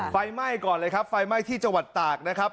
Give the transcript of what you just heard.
ไฟไหม้ก่อนเลยครับไฟไหม้ที่จังหวัดตากนะครับ